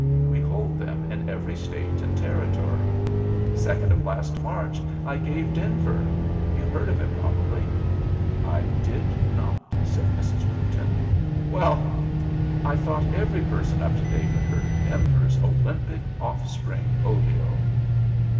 We hold them in every State and Territory. Second of last March I gave Denver you heard of it, probably?" "I did not," said Mrs. Brewton. "Well! Ha, ha! I thought every person up to date had heard of Denver's Olympic Offspring Olio."